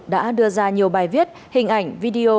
đã đưa ra nhiều bài viết hình ảnh video